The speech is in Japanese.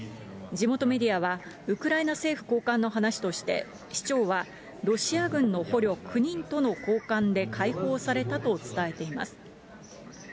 地元メディアは、ウクライナ政府高官の話として、市長はロシア軍の捕虜９人との交換で、解放されたと伝えています。